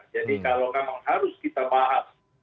jadi kalau kan harus kita bahas